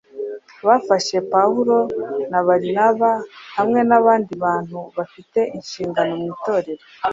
bafashe Pawulo na Barinaba hamwe n’abandi bantu bafite inshingano mu Itorero,